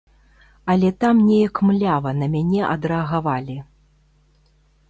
Але там неяк млява на мяне адрэагавалі.